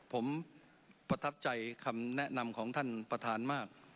ผมประทับใจคำแนะนำของท่านประธานมาก